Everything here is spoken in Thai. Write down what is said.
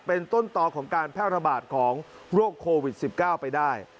เป็นต้นต่อของการแพร่ระบาดของโรคโควิด๑๙ไปได้